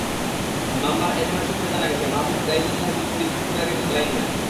মামলার এজাহার সূত্রে জানা গেছে, মাহবুবর গাইবান্ধা বিদ্যুৎ বিতরণ বিভাগের লাইনম্যান।